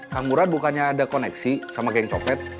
kang murad bukannya ada koneksi sama geng copet